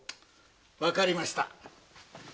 わかりました。